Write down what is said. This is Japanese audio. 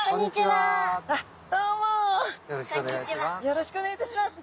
よろしくお願いします。